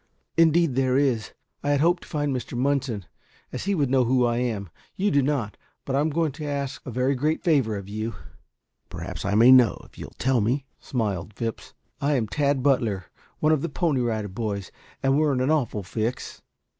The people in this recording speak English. "Indeed there is. I had hoped to find Mr. Munson, as he would know who I am. You do not, but I am going to ask a very great favor of you " "Perhaps I may know, if you will tell me," smiled Phipps. "I am Tad Butler, one of the Pony Rider Boys, and we're in an awful fix."